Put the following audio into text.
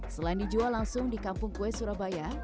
selain dijual langsung di kampung kue surabaya